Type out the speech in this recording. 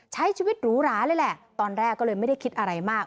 ใช้ชีวิตหรูหราเลยแหละตอนแรกก็เลยไม่ได้คิดอะไรมาก